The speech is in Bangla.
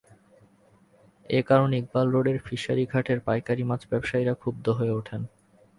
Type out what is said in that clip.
এ কারণে ইকবাল রোডের ফিশারিঘাটের পাইকারি মাছ ব্যবসায়ীরা ক্ষুব্ধ হয়ে ওঠেন।